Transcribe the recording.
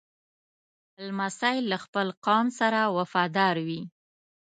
لمسی له خپل قوم سره وفادار وي.